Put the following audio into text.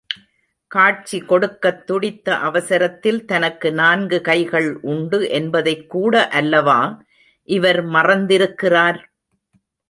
காட்சி கொடுக்கத் துடித்த அவசரத்தில் தனக்கு நான்கு கைகள் உண்டு என்பதைக்கூட அல்லவா இவர் மறந்திருக்கிறார்!